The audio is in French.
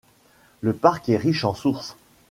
Le parc est riche en sources.